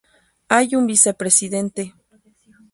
Hay un vicepresidente.